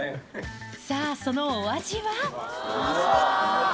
さあ、そのお味は？